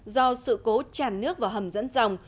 do sự cố chàn nước vào hầm dẫn dòng